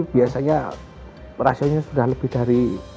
biasanya rasionya sudah lebih dari lima